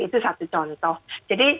itu satu contoh jadi